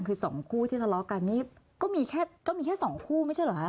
คือสองคู่ที่ทะเลาะกันนี่ก็มีแค่ก็มีแค่สองคู่ไม่ใช่เหรอคะ